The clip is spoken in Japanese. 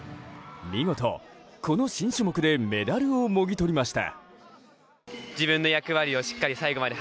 見事、この新種目でメダルをもぎとりました。